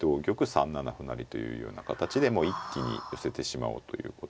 ３七歩成というような形で一気に寄せてしまおうということですね。